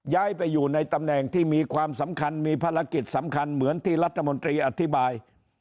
ย้ายไปอยู่ในตำแหน่งที่มีความสำคัญมีภารกิจสำคัญเหมือนที่รัฐมนตรีอธิบาย